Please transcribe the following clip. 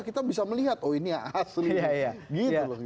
kita bisa melihat oh ini asli gitu loh